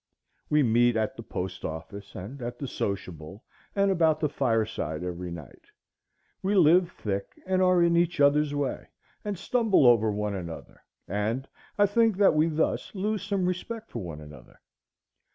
We meet at the post office, and at the sociable, and about the fireside every night; we live thick and are in each other's way, and stumble over one another, and I think that we thus lose some respect for one another.